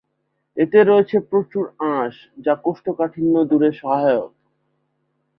এতে রয়েছে প্রচুর আঁশ, যা কোষ্ঠকাঠিন্য দূরে সহায়ক।